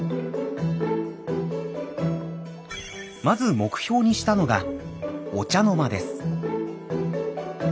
まず目標にしたのが「御茶之間」です。